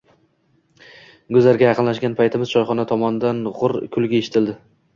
Guzarga yaqinlashgan paytimiz choyxona tomondan gurr kulgi eshitildi.